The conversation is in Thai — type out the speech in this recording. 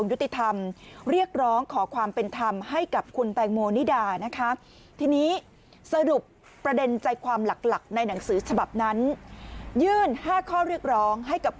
ยื่น๕ข้อเรียกร้องให้กับคุณแตงโมนิดานี่เห็นมั้ยคะ